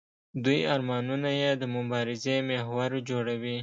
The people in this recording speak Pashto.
دوی ارمانونه یې د مبارزې محور جوړوي.